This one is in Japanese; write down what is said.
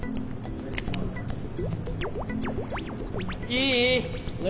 いい？